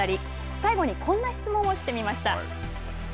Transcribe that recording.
最後にこんな質問をしてみました。